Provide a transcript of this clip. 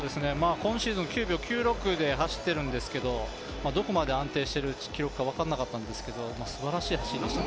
今シーズン９秒９６で走ってるんですけどもどこまで安定している記録か分からなかったんですけどすばらしい走りでした。